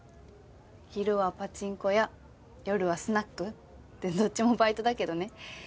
昼はパチンコ屋夜はスナックってどっちもバイトだけどね。